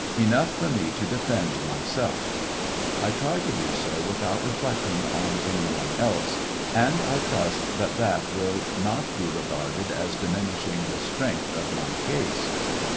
Enough for me to defend myself I try to do so witliout reflecting on anyone else, and I trust that that will not be regarded as diminishing the strength of my case.